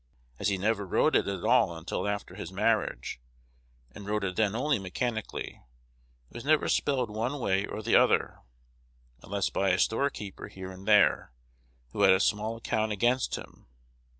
As he never wrote it at all until after his marriage, and wrote it then only mechanically, it was never spelled one way or the other, unless by a storekeeper here and there, who had a small account against him.